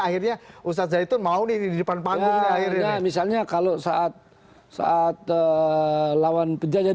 akhirnya ustadz zaitun mau di depan panggung akhirnya misalnya kalau saat saat lawan penjajahan